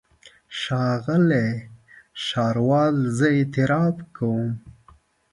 ښاغلی ښاروال زه اعتراف کوم.